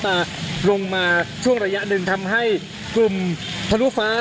ทางกลุ่มมวลชนทะลุฟ้าทางกลุ่มมวลชนทะลุฟ้า